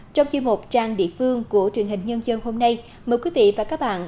trong chư một trang địa phương của truyền hình nhân dân hôm nay mời quý vị và các bạn